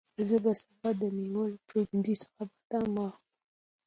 زه به سبا د مېوو له پلورنځي څخه بادام واخلم.